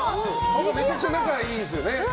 めちゃくちゃ仲いいんですよね。